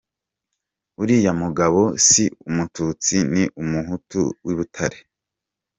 Uliya mugabo si umututsi ni umuhutu w’i Butare.